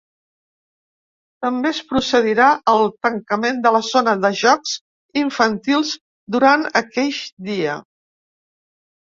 També es procedirà al tancament de la zona de jocs infantils durant aqueix dia.